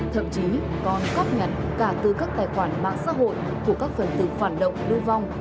thậm chí còn góp nhận cả từ các tài khoản mạng xã hội của các phần tự phản động lưu vong